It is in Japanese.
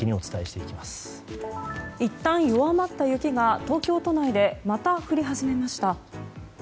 いったん弱まった雪が東京都内でまた降り始めました。